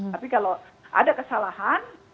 tapi kalau ada kesalahan